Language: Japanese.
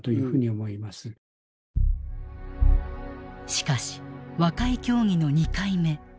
しかし和解協議の２回目。